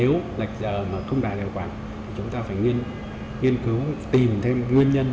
nếu lệch giờ mà không đạt hiệu quả thì chúng ta phải nghiên cứu tìm thêm nguyên nhân